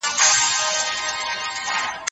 سیاستوال چیري د وینا ازادي تمرینوي؟